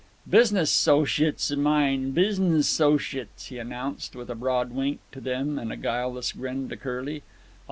"Business 'sociates of mine, business 'sociates," he announced, with a broad wink to them and a guileless grin to Curly.